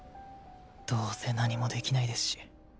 どうせ何もできないですし。